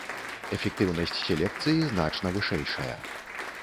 Эфектыўнасць селекцыі значна вышэйшая.